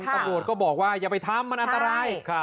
สมบุหรณ์ก็บอกว่าอย่าไปทำมันน่าใฟล์ไลก์